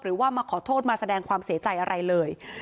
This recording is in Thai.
มาขอโทษมาแสดงความเสียใจอะไรเลย